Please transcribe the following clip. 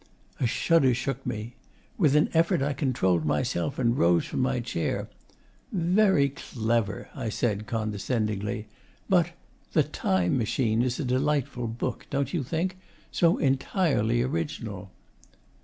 A shudder shook me. With an effort I controlled myself and rose from my chair. 'Very clever,' I said condescendingly. 'But "The Time Machine" is a delightful book, don't you think? So entirely original!